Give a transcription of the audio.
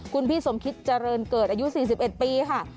คุณพี่สมคิดเจริญเกิดอายุ๔๑ปีค่ะ